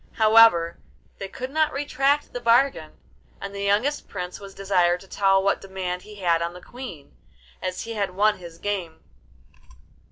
However, they could not retract the bargain, and the youngest Prince was desired to tell what demand he had on the Queen, as he had won his game.